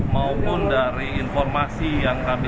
maupun dari informasi yang kami